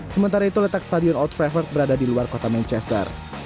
sementara itu letak stadion old travel berada di luar kota manchester